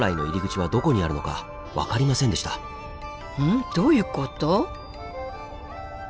どういうこと？